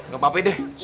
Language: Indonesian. gak apa apa deh